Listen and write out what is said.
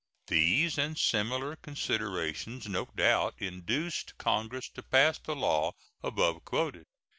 These and similar considerations no doubt induced Congress to pass the law above quoted.